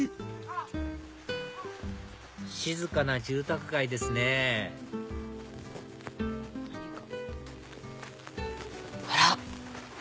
静かな住宅街ですねあら！